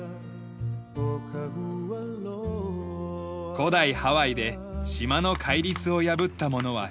古代ハワイで島の戒律を破った者は死罪。